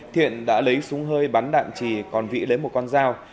thiện đã lấy súng hơi bắn đạn trì còn vĩ lấy một con dao